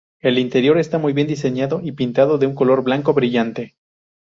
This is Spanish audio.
El interior está muy bien diseñado y pintado de un color blanco brillante.